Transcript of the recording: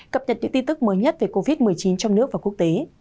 cập nhật những tin tức mới nhất về covid một mươi chín trong nước và quốc tế